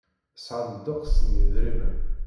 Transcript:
Sɛan ddeqs n yedrimen.